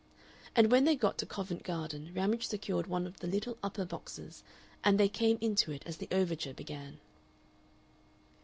And when they got to Covent Garden Ramage secured one of the little upper boxes, and they came into it as the overture began.